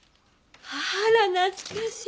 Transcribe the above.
あら懐かしい！